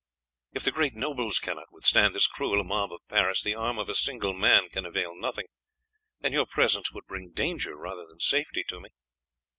If the great nobles cannot withstand this cruel mob of Paris, the arm of a single man can avail nothing, and your presence would bring danger rather than safety to me."